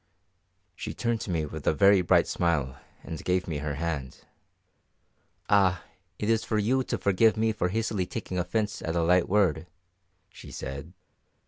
She turned to me with a very bright smile and gave me her hand. "Ah, it is for you to forgive me for hastily taking offence at a light word," she said.